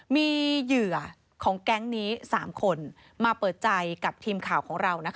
มีเหยื่อของแก๊งนี้๓คนมาเปิดใจกับทีมข่าวของเรา